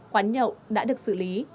quán nhậu đã được xử lý